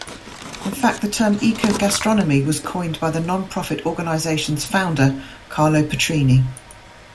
In fact, the term eco-gastronomy was coined by the non-profit organization's founder, Carlo Petrini.